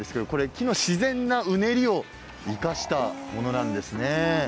自然のうねりを生かしたものなんですね。